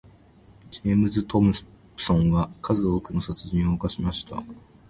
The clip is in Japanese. ジェームズトムプソンは数多くの殺人を犯しました。